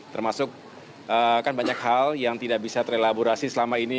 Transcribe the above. termasuk kan banyak hal yang tidak bisa terelaborasi selama ini